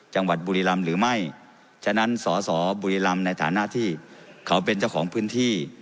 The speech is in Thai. จังหวัดบุรีรำหรือไม่ฉะนั้นสอสอบุรีรำในฐานะที่เขาเป็นเจ้าของพื้นที่